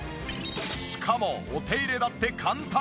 しかもお手入れだって簡単！